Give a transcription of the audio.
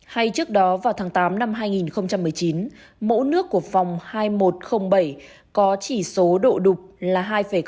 hay trước đó vào tháng tám năm hai nghìn một mươi chín mẫu nước của phòng hai nghìn một trăm linh bảy có chỉ số độ đục là hai tám